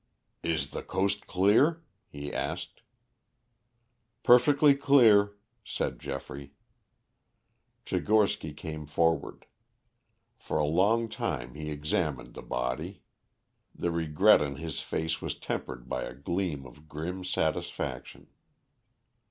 "Is the coast clear?" he asked. "Perfectly clear," said Geoffrey. Tchigorsky came forward. For a long time he examined the body. The regret on his face was tempered by a gleam of grim satisfaction.